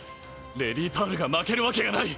レディパールが負けるわけがない。